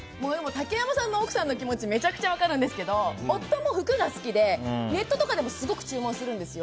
竹山さんの奥様の気持ちめちゃくちゃ分かるんですけど夫も服が好きでネットとかですごく注文するんですよ。